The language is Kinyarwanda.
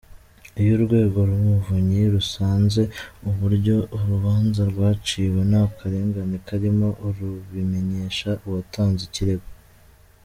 Iyo Urwego rw’Umuvunyi rusanze uburyo urubanza rwaciwe nta karengane karimo, rubimenyesha uwatanze ikirego.